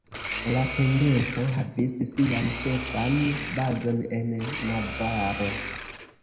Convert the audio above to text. La tendenco havis sian ĉefan bazon en Navaro.